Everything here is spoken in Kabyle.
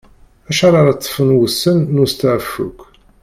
Acḥal ara ṭṭfen wussan n usteɛfu-k?